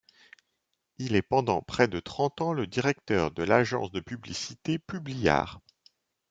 Il est pendant près de trente ans le directeur de l'agence de publicité Publiart.